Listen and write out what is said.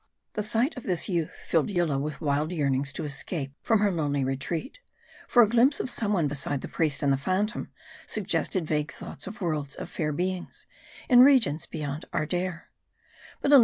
The sight of this youth, filled Yillah with wild yearnings to escape from her lonely retreat ; for a glimpse of some one beside the priest and the phantom, suggested vague thoughts of worlds of fair beings, in regions beyond Ardair. But 186 MA EDI.